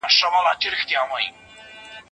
اقتصادي پالیسۍ به د ډیر وخت لپاره ازمویل سوې وي.